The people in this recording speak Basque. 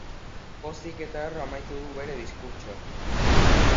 Pozik eta harro amaitu du bere diskurtsoa.